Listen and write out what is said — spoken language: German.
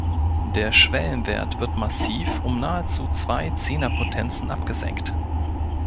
Der Schwellenwert wird massiv um nahezu zwei Zehnerpotenzen abgesenkt.